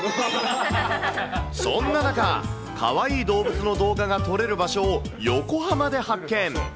そんな中、かわいい動物の動画が撮れる場所を、横浜で発見。